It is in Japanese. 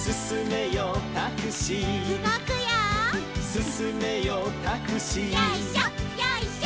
「すすめよタクシー」よいしょよいしょ。